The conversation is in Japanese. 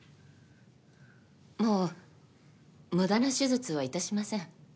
もう無駄な手術は致しません。